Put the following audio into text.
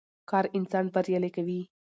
کار انسان بريالی کوي.